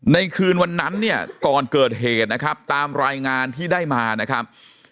ในคืนวันนั้นเนี่ยก่อนเกิดเหตุนะครับตามรายงานที่ได้มานะครับ